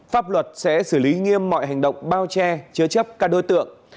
pháp luật sẽ xử lý nghiêm mọi hành động bao che chứa chấp các đối tượng